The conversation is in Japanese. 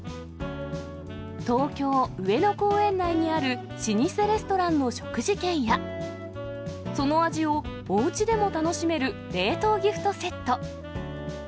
東京・上野公園内にある老舗レストランの食事券や、その味をおうちでも楽しめる冷凍ギフトセット。